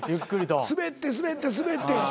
スベってスベってスベって。